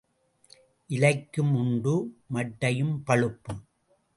இலைக்கும் உண்டு, மட்டையும் பழுப்பும்.